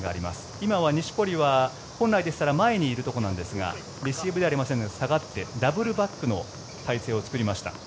今は錦織は本来でしたら前にいるところなんですがレシーブではありませんので下がって、ダブルバックの体制を作りました。